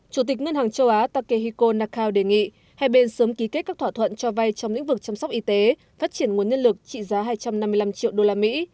chủ tịch ngân hàng châu á takehiko nakao đề nghị hai bên sớm ký kết các thỏa thuận cho vay trong lĩnh vực chăm sóc y tế phát triển nguồn nhân lực trị giá hai trăm năm mươi năm triệu đô la mỹ